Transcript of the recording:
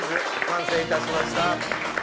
完成いたしました。